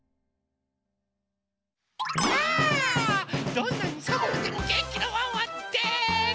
どんなにさむくてもげんきなワンワンです！